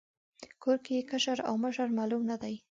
کور کې کشر او مشر معلوم نه دی.